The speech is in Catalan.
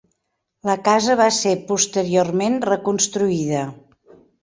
La casa va ser posteriorment reconstruïda.